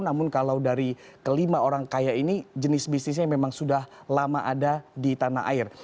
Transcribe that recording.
namun kalau dari kelima orang kaya ini jenis bisnisnya memang sudah lama ada di tanah air